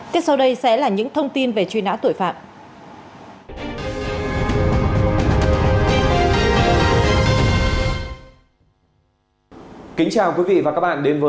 tiếp sau đây sẽ là những thông tin về truy nã tội phạm